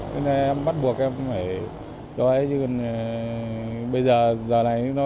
nên em bắt buộc em phải đối với chứ còn bây giờ giờ này